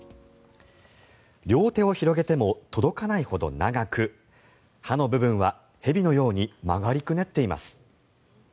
両手を広げても届かないほど長く刃の部分は蛇のように曲がりくねっています。